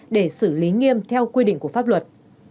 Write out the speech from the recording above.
để xử lý nghiêm theo quy định của pháp luật